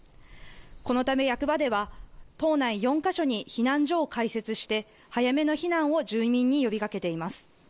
このため役場では島内４か所に避難所を開設して、早めの避難を住民に呼びかけています。